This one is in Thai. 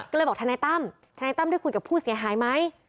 ก็เลยบอกทนายตั้มทนายตั้มได้คุยกับผู้เสียหายไหม